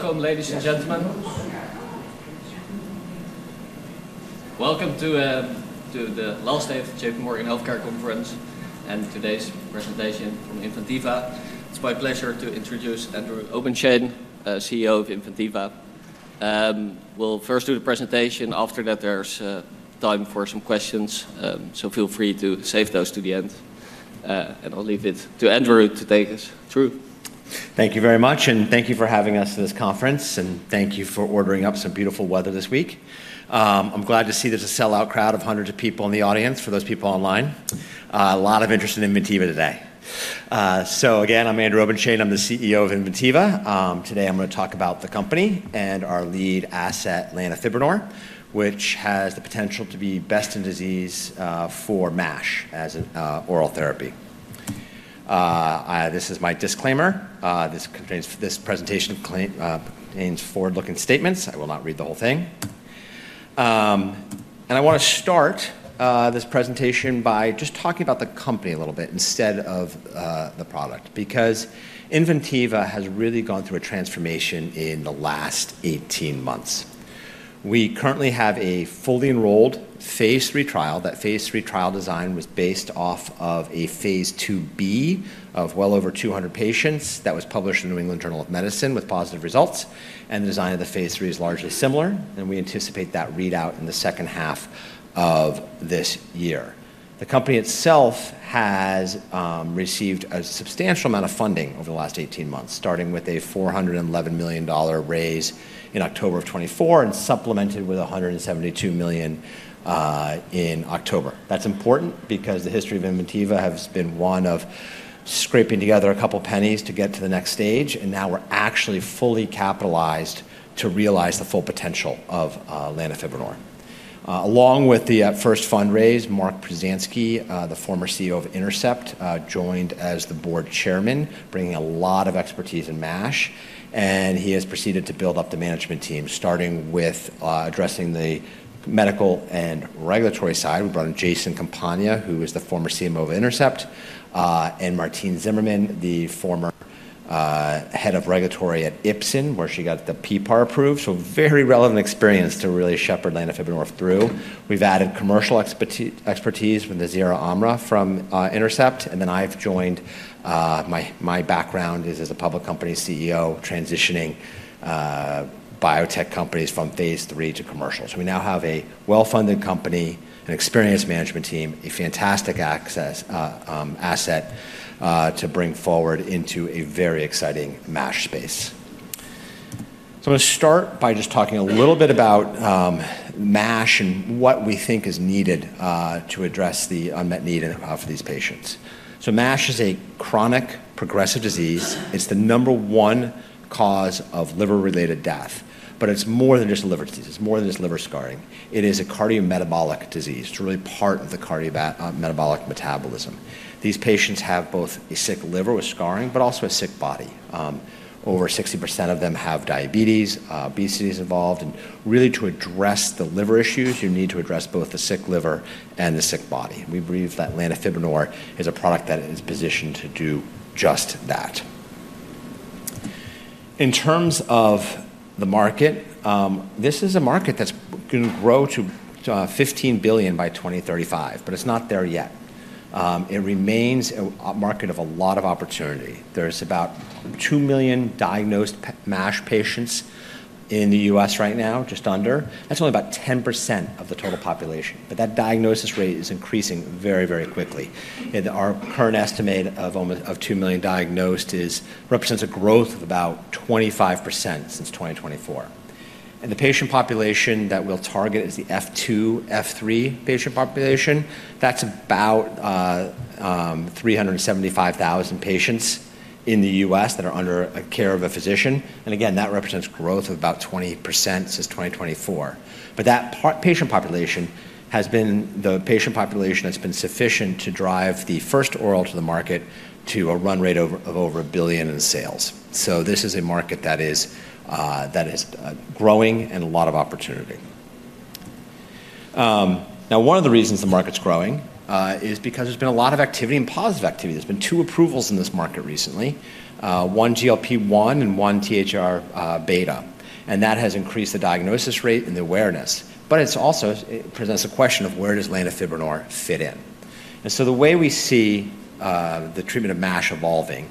Welcome, ladies and gentlemen. Welcome to the last day of the JPMorgan Healthcare Conference and today's presentation from Inventiva. It's my pleasure to introduce Andrew Obenshain, CEO of Inventiva. We'll first do the presentation. After that, there's time for some questions, so feel free to save those to the end. And I'll leave it to Andrew to take us through. Thank you very much, and thank you for having us to this conference, and thank you for ordering up some beautiful weather this week. I'm glad to see there's a sellout crowd of hundreds of people in the audience for those people online. A lot of interest in Inventiva today, so again, I'm Andrew Obenshain. I'm the CEO of Inventiva. Today, I'm going to talk about the company and our lead asset, lanifibranor, which has the potential to be best in disease for MASH as an oral therapy. This is my disclaimer. This presentation contains forward-looking statements. I will not read the whole thing, and I want to start this presentation by just talking about the company a little bit instead of the product, because Inventiva has really gone through a transformation in the last 18 months. We currently have a fully enrolled phase III trial. That phase III trial design was based off of a phase II-B of well over 200 patients that was published in the New England Journal of Medicine with positive results. And the design of the phase III is largely similar. And we anticipate that readout in the second half of this year. The company itself has received a substantial amount of funding over the last 18 months, starting with a $411 million raise in October of 2024 and supplemented with $172 million in October. That's important because the history of Inventiva has been one of scraping together a couple of pennies to get to the next stage. And now we're actually fully capitalized to realize the full potential of lanifibranor. Along with the first fundraise, Mark Pruzanski, the former CEO of Intercept, joined as the board chairman, bringing a lot of expertise in MASH. And he has proceeded to build up the management team, starting with addressing the medical and regulatory side. We brought in Jason Campagna, who is the former CMO of Intercept, and Martine Zimmermann, the former head of regulatory at Ipsen, where she got the PPAR approved. So very relevant experience to really shepherd lanifibranor through. We've added commercial expertise from the Nazira Amra from Intercept. And then I've joined. My background is as a public company CEO, transitioning biotech companies from phase three to commercial. So we now have a well-funded company, an experienced management team, a fantastic asset to bring forward into a very exciting MASH space. So I'm going to start by just talking a little bit about MASH and what we think is needed to address the unmet need for these patients. So MASH is a chronic progressive disease. It's the number one cause of liver-related death. But it's more than just a liver disease. It's more than just liver scarring. It is a cardiometabolic disease. It's really part of the cardiometabolic metabolism. These patients have both a sick liver with scarring, but also a sick body. Over 60% of them have diabetes, obesity is involved. And really, to address the liver issues, you need to address both the sick liver and the sick body. We believe that lanifibranor is a product that is positioned to do just that. In terms of the market, this is a market that's going to grow to $15 billion by 2035, but it's not there yet. It remains a market of a lot of opportunity. There's about 2 million diagnosed MASH patients in the U.S. right now, just under. That's only about 10% of the total population. But that diagnosis rate is increasing very, very quickly. Our current estimate of 2 million diagnosed represents a growth of about 25% since 2024, and the patient population that we'll target is the F2, F3 patient population. That's about 375,000 patients in the U.S. that are under the care of a physician, and again, that represents growth of about 20% since 2024, but that patient population has been the patient population that's been sufficient to drive the first oral to the market to a run rate of over $1 billion in sales, so this is a market that is growing and a lot of opportunity. Now, one of the reasons the market's growing is because there's been a lot of activity and positive activity. There's been two approvals in this market recently, one GLP-1 and one THR beta, and that has increased the diagnosis rate and the awareness. But it also presents a question of where does lanifibranor fit in. And so the way we see the treatment of MASH evolving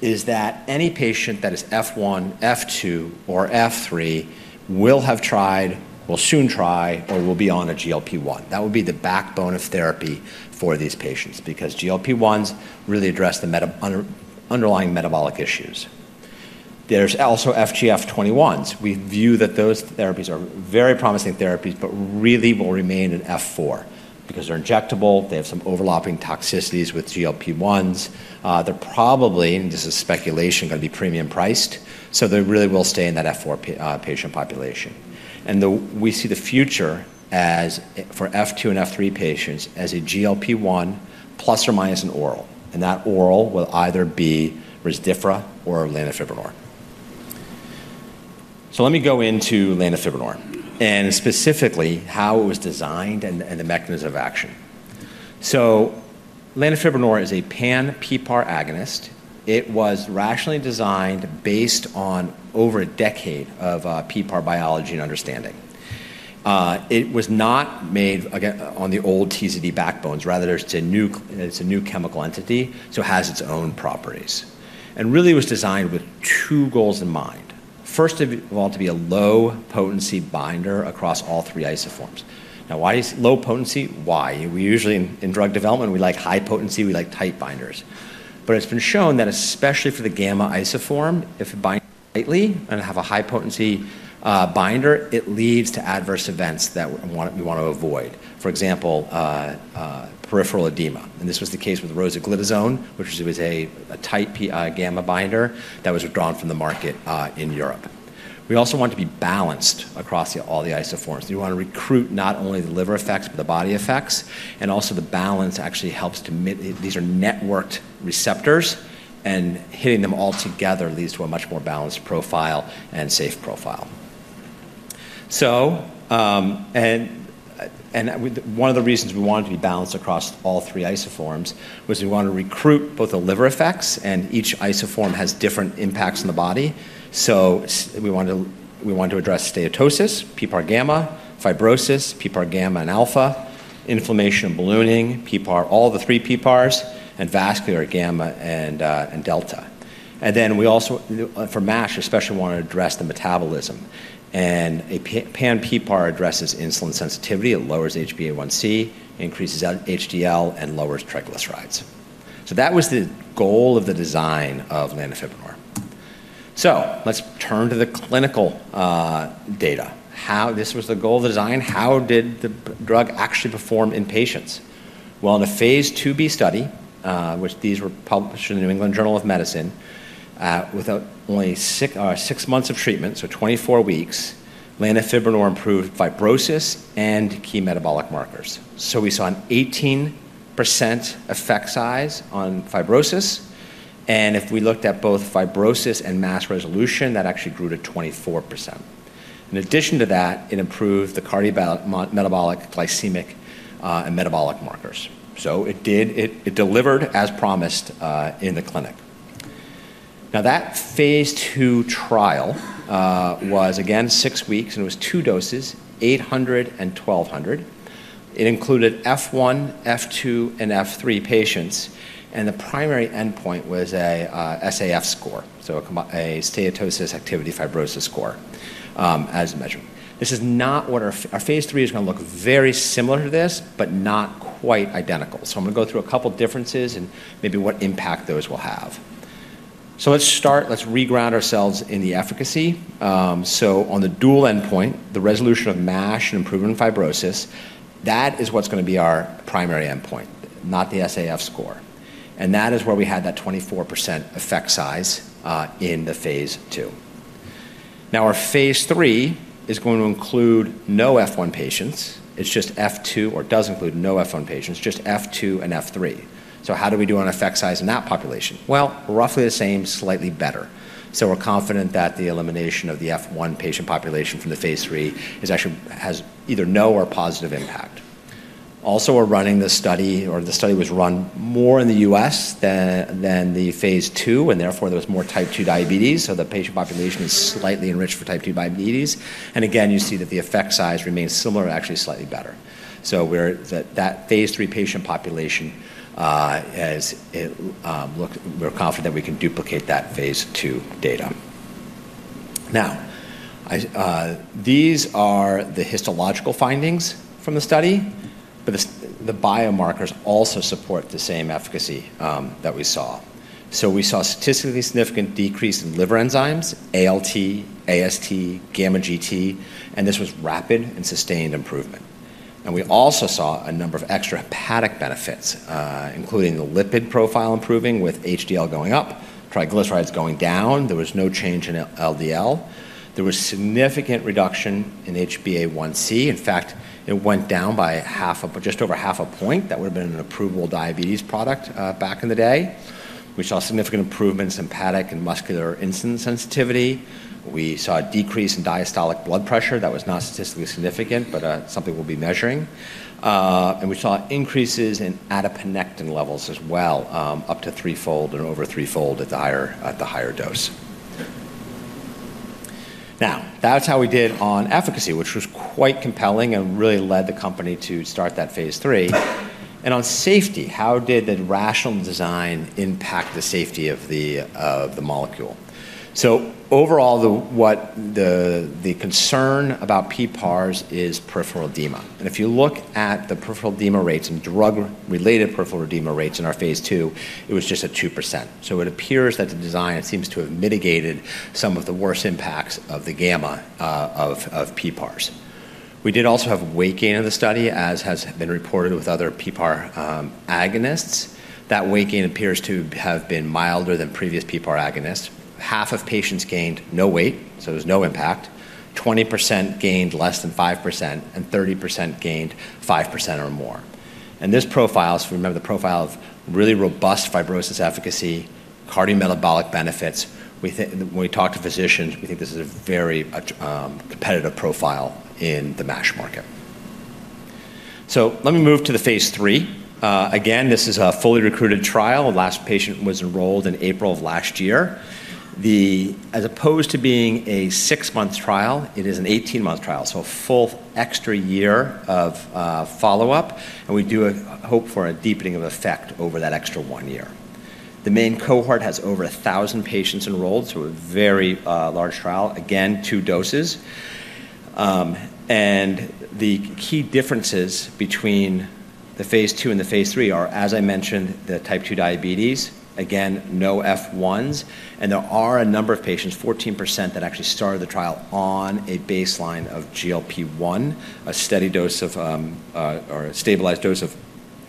is that any patient that is F1, F2, or F3 will have tried, will soon try, or will be on a GLP-1. That will be the backbone of therapy for these patients because GLP-1s really address the underlying metabolic issues. There's also FGF21s. We view that those therapies are very promising therapies, but really will remain in F4 because they're injectable. They have some overlapping toxicities with GLP-1s. They're probably, and this is speculation, going to be premium priced. So they really will stay in that F4 patient population. And we see the future for F2 and F3 patients as a GLP-1 plus or minus an oral. And that oral will either be Rezdiffra or lanifibranor. So let me go into lanifibranor and specifically how it was designed and the mechanism of action. So lanifibranor is a Pan-PPAR agonist. It was rationally designed based on over a decade of PPAR biology and understanding. It was not made on the old TZD backbones. Rather, it's a new chemical entity, so it has its own properties. And really, it was designed with two goals in mind. First of all, to be a low-potency binder across all three isoforms. Now, why is low potency? Why? We usually, in drug development, we like high potency. We like tight binders. But it's been shown that especially for the gamma isoform, if it binds tightly and has a high-potency binder, it leads to adverse events that we want to avoid. For example, peripheral edema. And this was the case with rosiglitazone, which was a tight gamma binder that was withdrawn from the market in Europe. We also want it to be balanced across all the isoforms. We want to recruit not only the liver effects, but the body effects. And also the balance actually helps to mitigate. These are networked receptors. And hitting them all together leads to a much more balanced profile and safe profile. And one of the reasons we wanted to be balanced across all three isoforms was we wanted to recruit both the liver effects, and each isoform has different impacts in the body. So we wanted to address steatosis, PPAR gamma, fibrosis, PPAR gamma and alpha, inflammation and ballooning, PPAR, all the three PPARs, and vascular gamma and delta. And then we also, for MASH, especially want to address the metabolism. And a pan-PPAR addresses insulin sensitivity. It lowers HbA1c, increases HDL, and lowers triglycerides. So that was the goal of the design of lanifibranor. So let's turn to the clinical data. This was the goal of the design. How did the drug actually perform in patients? Well, in a phase II-B study, which these were published in the New England Journal of Medicine, with only six months of treatment, so 24 weeks, lanifibranor improved fibrosis and key metabolic markers. So we saw an 18% effect size on fibrosis. And if we looked at both fibrosis and MASH resolution, that actually grew to 24%. In addition to that, it improved the cardiometabolic, glycemic, and metabolic markers. So it delivered as promised in the clinic. Now, that phase II trial was, again, six weeks, and it was two doses, 800 and 1200. It included F1, F2, and F3 patients. The primary endpoint was an SAF score, so a steatosis activity fibrosis score as a measure. This is not what our phase III is going to look very similar to this, but not quite identical. I'm going to go through a couple of differences and maybe what impact those will have. Let's start. Let's reground ourselves in the efficacy. On the dual endpoint, the resolution of MASH and improvement in fibrosis, that is what's going to be our primary endpoint, not the SAF score. That is where we had that 24% effect size in the phase II. Now, our phase III is going to include no F1 patients. It's just F2 and F3. How do we do on effect size in that population? Well, roughly the same, slightly better. So we're confident that the elimination of the F1 patient population from the phase III has either no or positive impact. Also, we're running the study, or the study was run more in the U.S. than the phase II, and therefore there was more type 2 diabetes. So the patient population is slightly enriched for type 2 diabetes. And again, you see that the effect size remains similar, actually slightly better. So that phase III patient population has looked, we're confident that we can duplicate that phase II data. Now, these are the histological findings from the study, but the biomarkers also support the same efficacy that we saw. So we saw a statistically significant decrease in liver enzymes, ALT, AST, gamma GT, and this was rapid and sustained improvement. And we also saw a number of extrahepatic benefits, including the lipid profile improving with HDL going up, triglycerides going down. There was no change in LDL. There was significant reduction in HbA1c. In fact, it went down by just over half a point. That would have been an approval diabetes product back in the day. We saw significant improvements in hepatic and muscular insulin sensitivity. We saw a decrease in diastolic blood pressure. That was not statistically significant, but something we'll be measuring. And we saw increases in adiponectin levels as well, up to threefold and over threefold at the higher dose. Now, that's how we did on efficacy, which was quite compelling and really led the company to start that phase III. And on safety, how did the rational design impact the safety of the molecule? So overall, the concern about PPARs is peripheral edema. If you look at the peripheral edema rates and drug-related peripheral edema rates in our phase II, it was just at 2%. It appears that the design seems to have mitigated some of the worst impacts of PPAR gamma. We did also have weight gain in the study, as has been reported with other PPAR agonists. That weight gain appears to have been milder than previous PPAR agonists. Half of patients gained no weight, so there was no impact. 20% gained less than 5%, and 30% gained 5% or more. And this profile, so remember the profile of really robust fibrosis efficacy, cardiometabolic benefits, when we talk to physicians, we think this is a very competitive profile in the MASH market. Let me move to the phase III. Again, this is a fully recruited trial. The last patient was enrolled in April of last year. As opposed to being a six-month trial, it is an 18-month trial, so a full extra year of follow-up, and we do hope for a deepening of effect over that extra one year. The main cohort has over 1,000 patients enrolled, so a very large trial. Again, two doses, and the key differences between the phase II and the phase III are, as I mentioned, the Type 2 diabetes, again, no F1s, and there are a number of patients, 14%, that actually started the trial on a baseline of GLP-1, a stabilized dose of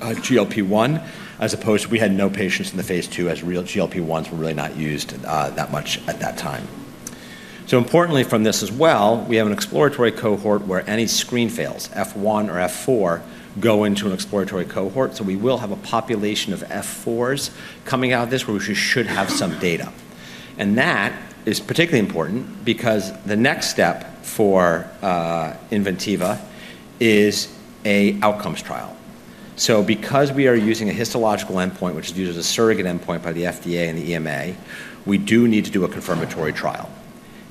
GLP-1, as opposed to we had no patients in the phase II as real GLP-1s were really not used that much at that time, so importantly from this as well, we have an exploratory cohort where any screen fails, F1 or F4, go into an exploratory cohort. So we will have a population of F4s coming out of this where we should have some data. And that is particularly important because the next step for Inventiva is an outcomes trial. So because we are using a histological endpoint, which is used as a surrogate endpoint by the FDA and the EMA, we do need to do a confirmatory trial.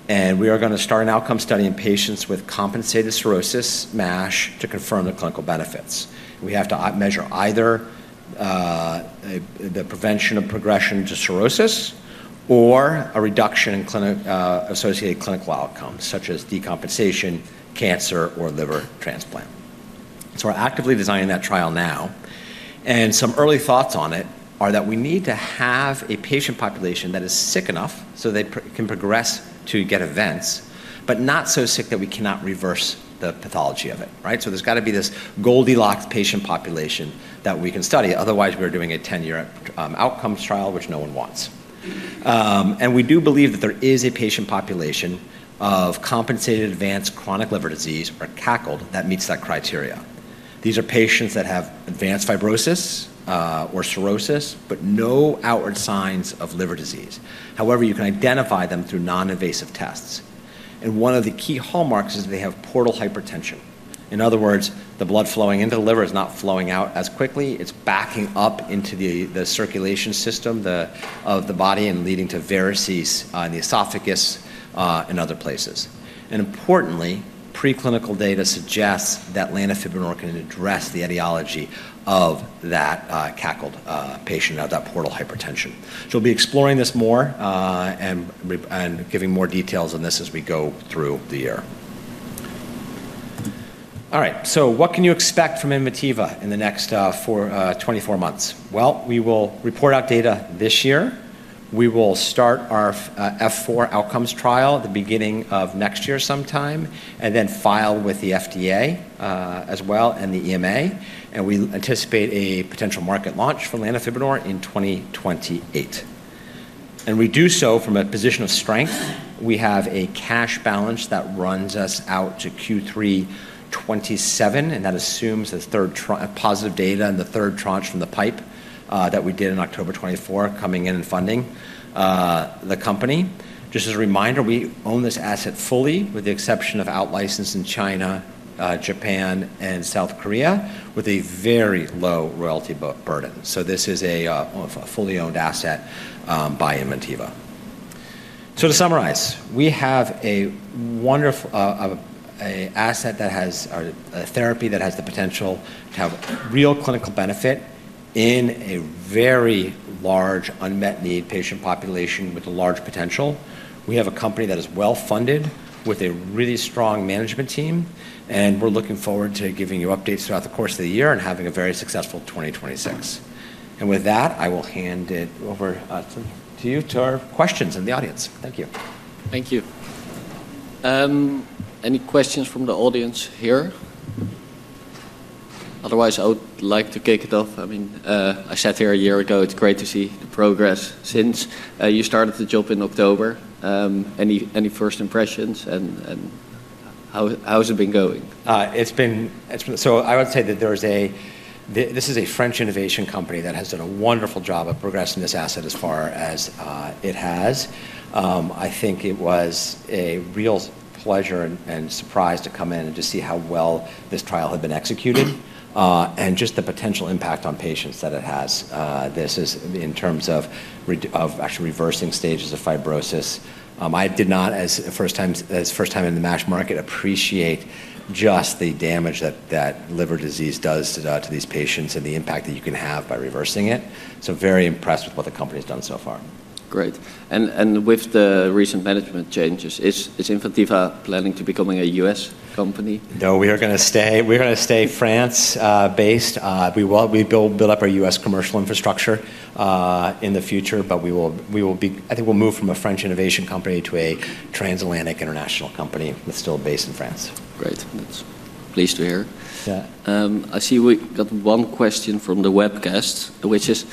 And we are going to start an outcome study in patients with compensated cirrhosis MASH to confirm the clinical benefits. We have to measure either the prevention of progression to cirrhosis or a reduction in associated clinical outcomes, such as decompensation, cancer, or liver transplant. So we're actively designing that trial now. Some early thoughts on it are that we need to have a patient population that is sick enough so they can progress to get events, but not so sick that we cannot reverse the pathology of it. Right? So there's got to be this Goldilocks patient population that we can study. Otherwise, we're doing a 10-year outcomes trial, which no one wants. We do believe that there is a patient population of compensated advanced chronic liver disease, or CACLD, that meets that criteria. These are patients that have advanced fibrosis or cirrhosis, but no outward signs of liver disease. However, you can identify them through non-invasive tests. One of the key hallmarks is they have portal hypertension. In other words, the blood flowing into the liver is not flowing out as quickly. It's backing up into the circulation system of the body and leading to varices in the esophagus and other places. And importantly, preclinical data suggests that lanifibranor can address the etiology of that CACLD patient, that portal hypertension. So we'll be exploring this more and giving more details on this as we go through the year. All right. So what can you expect from Inventiva in the next 24 months? Well, we will report out data this year. We will start our F4 outcomes trial at the beginning of next year sometime, and then file with the FDA as well and the EMA. And we anticipate a potential market launch for lanifibranor in 2028. And we do so from a position of strength. We have a cash balance that runs us out to Q3 2027, and that assumes the positive data and the third tranche from the pipe that we did in October 2024 coming in and funding the company. Just as a reminder, we own this asset fully with the exception of outlicensed in China, Japan, and South Korea, with a very low royalty burden. So this is a fully owned asset by Inventiva. So to summarize, we have an asset that has a therapy that has the potential to have real clinical benefit in a very large unmet need patient population with a large potential. We have a company that is well-funded with a really strong management team, and we're looking forward to giving you updates throughout the course of the year and having a very successful 2026. And with that, I will hand it over to you, to our questions in the audience. Thank you. Thank you. Any questions from the audience here? Otherwise, I would like to kick it off. I mean, I sat here a year ago. It's great to see the progress since you started the job in October. Any first impressions? And how has it been going? So I would say that this is a French innovation company that has done a wonderful job of progressing this asset as far as it has. I think it was a real pleasure and surprise to come in and to see how well this trial had been executed and just the potential impact on patients that it has. This is in terms of actually reversing stages of fibrosis. I did not, as first time in the MASH market, appreciate just the damage that liver disease does to these patients and the impact that you can have by reversing it. So very impressed with what the company has done so far. Great. And with the recent management changes, is Inventiva planning to become a U.S. company? No, we are going to stay France-based. We will build up our U.S. commercial infrastructure in the future, but we will be I think we'll move from a French innovation company to a transatlantic international company that's still based in France. Great. That's pleased to hear. I see we got one question from the webcast, which is,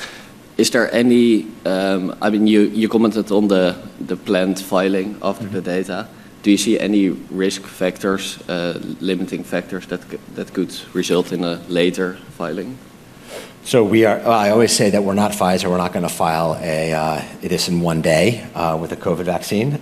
is there any I mean, you commented on the planned filing of the data. Do you see any risk factors, limiting factors that could result in a later filing? I always say that we're not Pfizer. We're not going to file an NDA in one day with a COVID vaccine.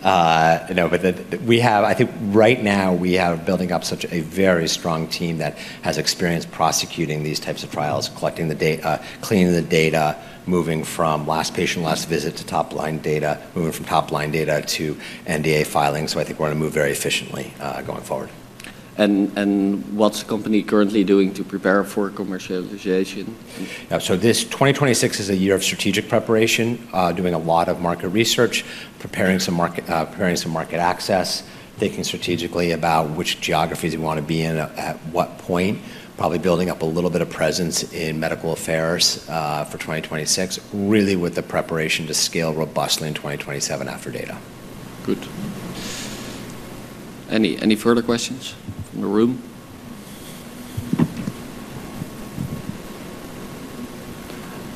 No, but we have I think right now we are building up such a very strong team that has experience prosecuting these types of trials, collecting the data, cleaning the data, moving from last patient, last visit to top-line data, moving from top-line data to NDA filing. So I think we're going to move very efficiently going forward. And what's the company currently doing to prepare for commercialization? So this 2026 is a year of strategic preparation, doing a lot of market research, preparing some market access, thinking strategically about which geographies we want to be in at what point, probably building up a little bit of presence in medical affairs for 2026, really with the preparation to scale robustly in 2027 after data. Good. Any further questions in the room?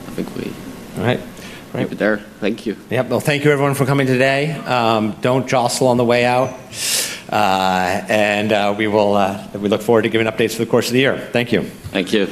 I think we're all right. Keep it there. Thank you. Yep. Well, thank you, everyone, for coming today. Don't jostle on the way out, and we look forward to giving updates for the course of the year. Thank you. Thank you.